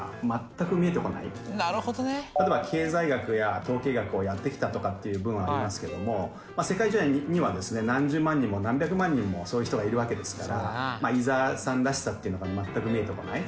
例えば「経済学や統計学をやってきた」とかっていう文ありますけども世界中には何十万人も何百万人もそういう人がいるわけですから伊沢さんらしさっていうのが全く見えてこない。